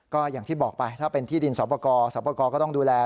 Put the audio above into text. ก็อย่างที่บอกไปถ้าเป็นที่ดินสอปกรสอปกรก็ต้องดูแล